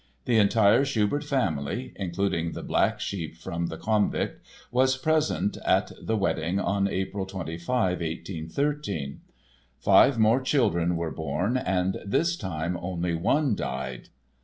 The entire Schubert family, including the black sheep from the Konvikt, was present at the wedding on April 25, 1813. Five more children were born and this time only one died.